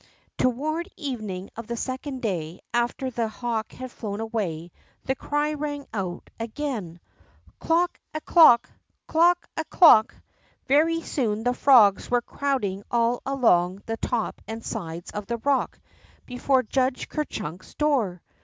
Toward evening of the second day after the hawk had flown away, the cry rang out again: Clook a clook ! Clook a ciook !" Very soon the frogs were crowding all along the top and sides of the rock before Judge Ker Cliunk's door.